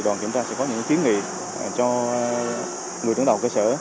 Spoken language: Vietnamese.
đoàn kiểm tra sẽ có những kiến nghị cho người đứng đầu cơ sở